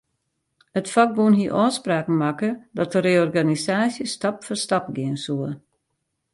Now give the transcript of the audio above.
It fakbûn hie ôfspraken makke dat de reorganisaasje stap foar stap gean soe.